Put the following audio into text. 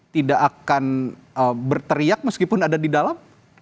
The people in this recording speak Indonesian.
tidak akan berteriak meskipun ada di dalam